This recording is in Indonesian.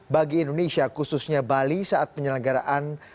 bagi indonesia khususnya bali saat penyelenggaraan